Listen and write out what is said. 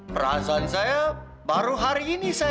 perasaan saya baru hari ini saya